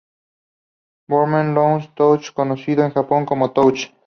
Bomberman Land Touch!, conocido en Japón como Touch!